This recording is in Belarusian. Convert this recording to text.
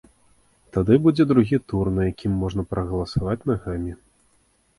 Тады будзе другі тур, на якім можна прагаласаваць нагамі.